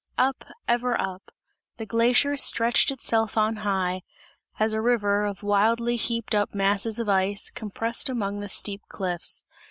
Up, ever up; the glacier stretched itself on high as a river, of wildly heaped up masses of ice, compressed among the steep cliffs.